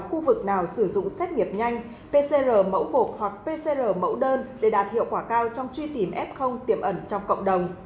khu vực nào sử dụng xét nghiệm nhanh pcr mẫu hoặc pcr mẫu đơn để đạt hiệu quả cao trong truy tìm f tiềm ẩn trong cộng đồng